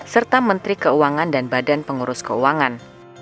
serta menteri keuangan dan badan pengurus keuangan